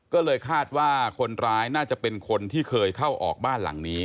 ก็เลยคาดว่าคนร้ายน่าจะเป็นคนที่เคยเข้าออกบ้านหลังนี้